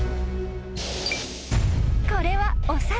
［これはお札。